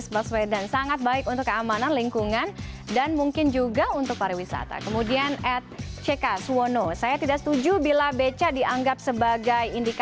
sudah bergabung dengan kenaktiv malam hari ini